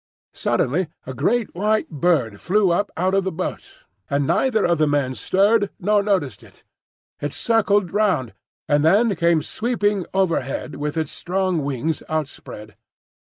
Suddenly a great white bird flew up out of the boat, and neither of the men stirred nor noticed it; it circled round, and then came sweeping overhead with its strong wings outspread.